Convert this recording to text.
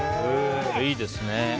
いいですね。